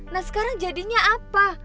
nah sekarang jadinya apa